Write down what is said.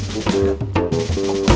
bapak bapak bapak